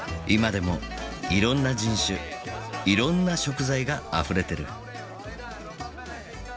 今でもいろんな人種いろんな食材があふれてる。